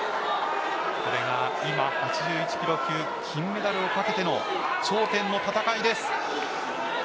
これが今、８１ｋｇ級金メダルをかけての頂点の戦いです。